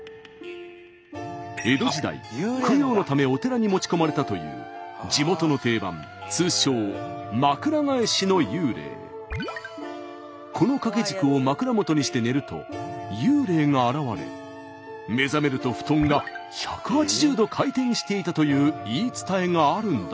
江戸時代供養のためお寺に持ち込まれたという地元の定番通称この掛け軸を枕元にして寝ると幽霊が現れ目覚めると布団が１８０度回転していたという言い伝えがあるんだとか。